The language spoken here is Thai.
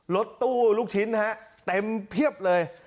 รถตู้ลูกชิ้นฮะเต็มเพียบเลย